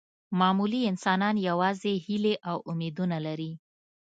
معمولي انسانان یوازې هیلې او امیدونه لري.